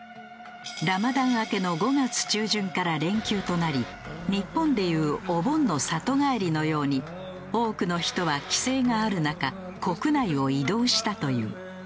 ラマダン明けの５月中旬から連休となり日本でいうお盆の里帰りのように多くの人は規制がある中国内を移動したという。